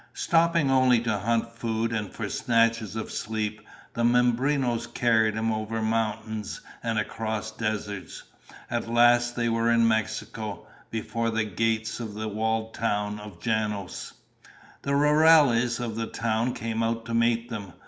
Stopping only to hunt food and for snatches of sleep, the Mimbrenos carried him over mountains and across deserts. At last they were in Mexico, before the gates of the walled town of Janos. The rurales of the town came out to meet them.